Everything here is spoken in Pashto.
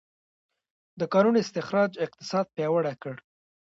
د کانونو استخراج اقتصاد پیاوړی کړ.